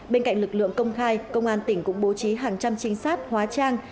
bên cạnh lực lượng công khai công an tỉnh cũng bố trí hàng trăm trinh sát hóa trang